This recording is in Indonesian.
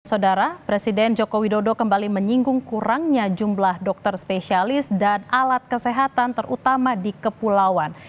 saudara presiden joko widodo kembali menyinggung kurangnya jumlah dokter spesialis dan alat kesehatan terutama di kepulauan